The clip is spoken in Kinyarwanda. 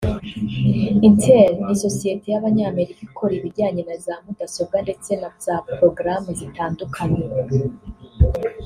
Intel ni Sosiyeti y’Abanyamerika ikora ibijyanye na za mudasobwa ndetse na za porogaramu zitandukanye